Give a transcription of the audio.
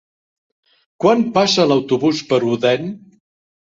Quan passa l'autobús per Odèn?